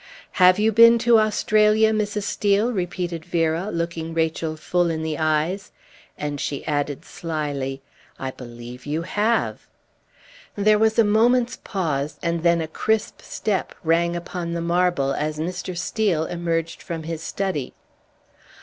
"Have you been to Australia, Mrs. Steel?" repeated Vera, looking Rachel full in the eyes; and she added slyly, "I believe you have!" There was a moment's pause, and then a crisp step rang upon the marble, as Mr. Steel emerged from his study.